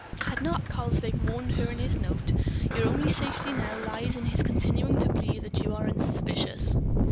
Had not Karslake warned her in his note: "_Your only safety now lies in his continuing to believe that you are unsuspicious.